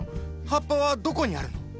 葉っぱはどこにあるの？